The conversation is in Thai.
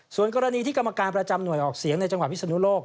ส่วนกรณีที่กรรมการประจำหน่วยออกเสียงในจังหวัดพิศนุโลก